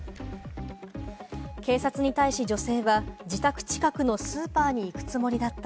警察に対し、女性は自宅近くのスーパーに行くつもりだった。